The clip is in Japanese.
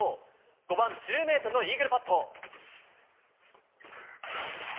５番、１０メートルのイーグルパット。